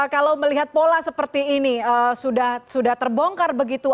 kalau melihat pola seperti ini sudah terbongkar begitu